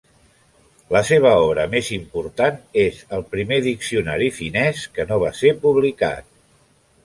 La seva obra més important és el primer diccionari finès que no va ser publicat.